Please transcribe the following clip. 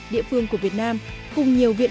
địa phương của việt nam cùng nhiều viện